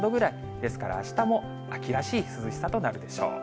ですからあしたも秋らしい涼しさとなるでしょう。